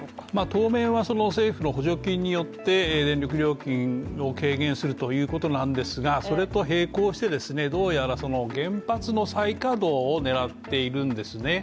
当面は政府の補助金によって電力料金を軽減するということなんですがそれと並行してどうやら原発の再稼働を狙っているんですね。